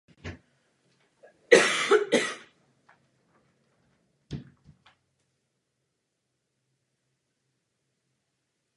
Veliký přijal jako člena domácnosti své sestry.